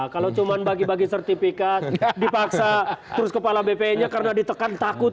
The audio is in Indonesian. kalau cuma bagi bagi sertifikat dipaksa terus kepala bpn nya karena ditekan takut